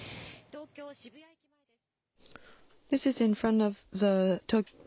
東京・渋谷駅前です。